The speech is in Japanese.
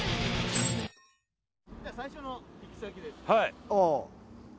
はい。